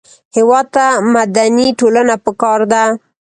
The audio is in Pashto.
هېواد ته مدني ټولنه پکار ده